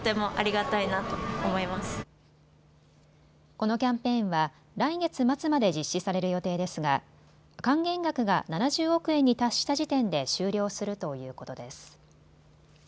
このキャンペーンは来月末まで実施される予定ですが還元額が７０億円に達した時点で終了するということです。